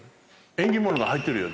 縁起物が入ってるよ